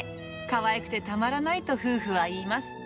かわいくてたまらないと夫婦は言います。